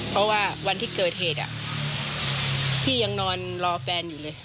เพราะว่าวันที่เกิดเหตุพี่ยังนอนรอแฟนอยู่เลย